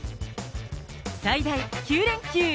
最大９連休。